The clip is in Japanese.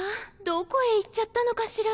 どこへ行っちゃったのかしら。